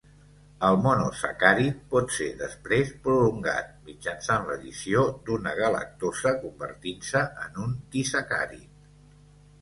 El monosacàrid pot ser després prolongat, mitjançant l'addició d'una galactosa, convertint-se en un disacàrid.